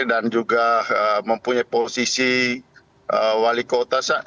dan juga mempunyai posisi yang apa sebagai kader partai